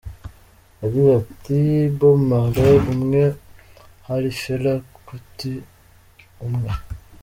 Yagize ati “Hari Bob Marley umwe, hari Fela Kuti umwe.